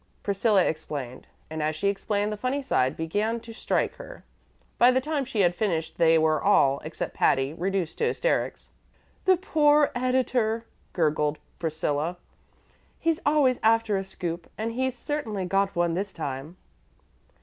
Priscilla explained, and as she explained the funny side began to strike her. By the time she had finished they were all except Patty reduced to hysterics. "The poor editor," gurgled Priscilla. "He's always after a scoop, and he's certainly got one this time."